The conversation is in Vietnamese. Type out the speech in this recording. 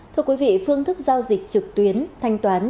thưa quý vị phương thức giao dịch trực tuyến